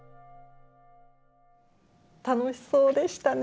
楽しそうでしたね。